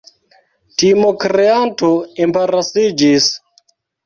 Timokreanto embarasiĝis.